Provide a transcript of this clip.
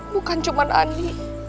bukan cuma andi